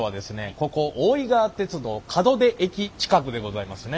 ここ大井川鐵道門出駅近くでございますね。